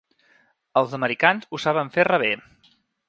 Els americans ho saben fer rebé.